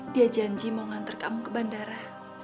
dia janji mau ngantar kamu ke bandara